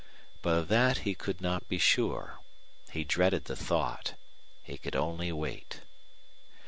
But of that he could not be sure. He dreaded the thought. He could only wait.